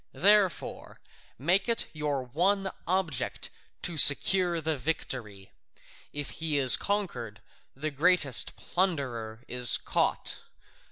Therefore make it your one object to secure the victory; if he is conquered, the greatest plunderer is caught.